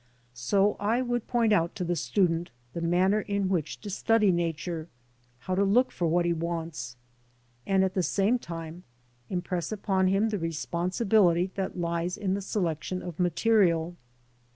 So I would point out to the student the manner in which to study Nature; how to look for what he wants, and at the same time impress upon him the responsibility that lies in the selection of material.